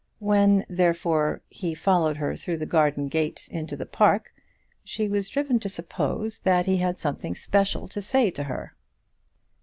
When, therefore, he followed her through the garden gate into the park, she was driven to suppose that he had something special to say to her.